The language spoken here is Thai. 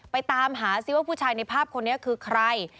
ตามหาซิว่าผู้ชายในภาพคนนี้คือใคร